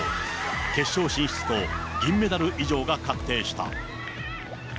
決勝進出と銀メダル以上が確定した。